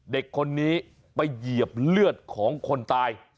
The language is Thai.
เด็กคนนี้ไปเหยียบเลือดของคนตาย